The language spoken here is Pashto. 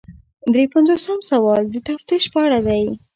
درې پنځوسم سوال د تفتیش په اړه دی.